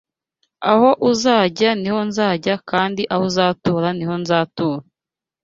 Aho uzajya ni ho nzajya kandi aho uzatura ni ho nzatura